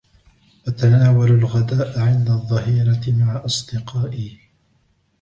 أتناول الغداء عند الظهيرة مع أصدقائي.